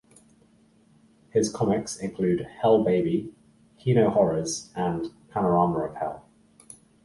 His comics include "Hell Baby", "Hino Horrors", and "Panorama of Hell".